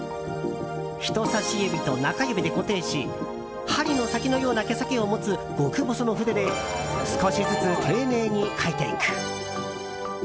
人差し指と中指で固定し針の先のような毛先を持つ極細の筆で少しずつ丁寧に描いていく。